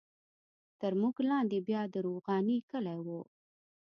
تر موږ لاندې بیا د روغاني کلی وو.